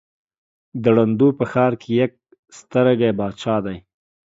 د ړندو په ښآر کې يک سترگى باچا دى.